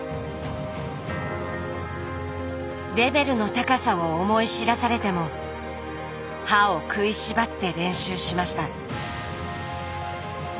レベルの高さを思い知らされても歯を食いしばって練習しました。